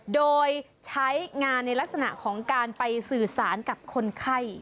โดยใช้งานในลักษณะของการไปสื่อสารกับคนไข้